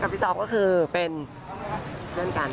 พี่ซอฟก็คือเป็นเพื่อนกัน